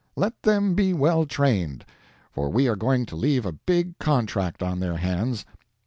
Let them be well trained, for we are going to leave a big contract on their hands.